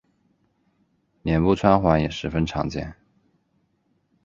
脸部穿环也十分常见。